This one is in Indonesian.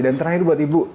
dan terakhir buat ibu